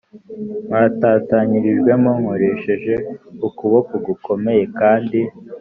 mwatatanyirijwemo nkoresheje ukuboko gukomeye kandi